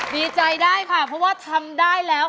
ดีใจได้ค่ะเพราะว่าทำได้แล้ว